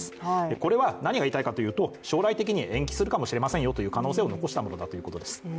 これは何が言いたいかというと、将来的に延期するかもしれませんよという可能性を残したものです。